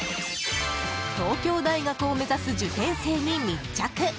東京大学を目指す受験生に密着！